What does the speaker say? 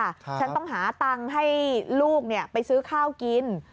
ฉันต้องหาตังค์ให้ลูกไปซื้อข้าวกิน